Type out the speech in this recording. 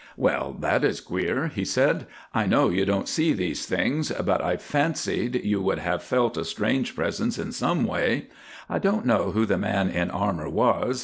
"Well, that is queer," he said, "I know you don't see these things, but I fancied you would have felt a strange presence in some way. I don't know who the man in armour was.